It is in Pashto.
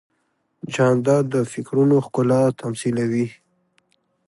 جانداد د فکرونو ښکلا تمثیلوي.